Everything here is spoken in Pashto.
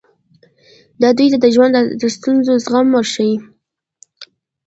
دا دوی ته د ژوند د ستونزو زغم ورښيي.